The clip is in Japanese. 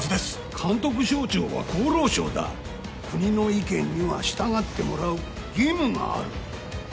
監督省庁は厚労省だ国の意見には従ってもらう義務がある！